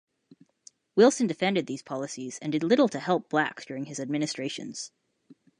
Wilson defended these policies and did little to help blacks during his administrations.